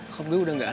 kok gue udah gak ada